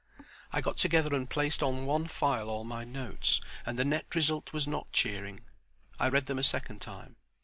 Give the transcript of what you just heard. I got together and placed on one file all my notes; and the net result was not cheering. I read them a second time.